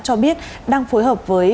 cho biết đang phối hợp với